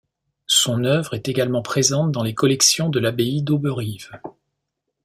Son oeuvre est également présente dans les collections de l'Abbaye d'Auberive.